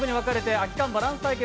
空き缶バランス対決」